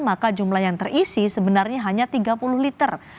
maka jumlah yang terisi sebenarnya hanya tiga puluh liter